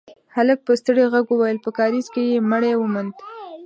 هلک په ستړي غږ وويل: په کارېز کې يې مړی وموند.